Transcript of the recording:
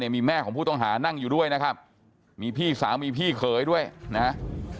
มีแม่ของผู้ต้องหานั่งอยู่ด้วยนะครับมีพี่สาวมีพี่เขยด้วยนะฮะ